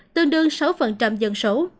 tương đương sáu dân số